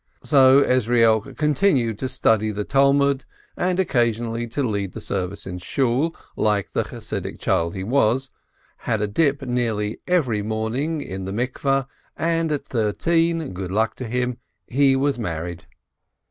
So Ezrielk continued to study the Talmud and occa sionally to lead the service in Shool, like the Chassidic child he was, had a dip nearly every morning in the bath house, and at thirteen, good luck to him, he was married.